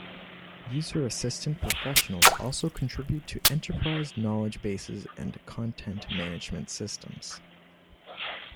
User assistance professionals also contribute to enterprise knowledge bases and content management systems.